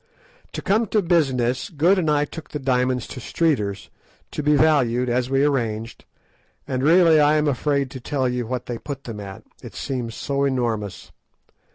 To come to business, Good and I took the diamonds to Streeter's to be valued, as we arranged, and really I am afraid to tell you what they put them at, it seems so enormous.